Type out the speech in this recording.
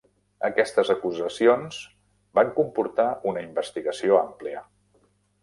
Aquestes acusacions van comportar una investigació àmplia.